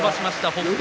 北勝